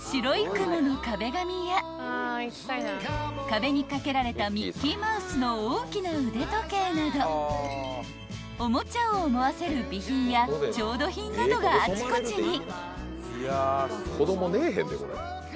［壁に掛けられたミッキーマウスの大きな腕時計などおもちゃを思わせる備品や調度品などがあちこちに］